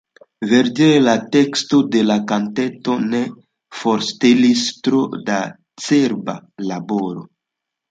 Verdire la teksto de la kanteto ne forŝtelis tro da cerba laboro.